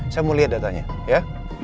saya mau lihat datanya ya